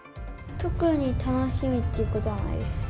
特に楽しみっていうことはないです。